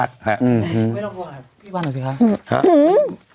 ไม่ต้องโทรหาพี่วันหน่อยสิครับ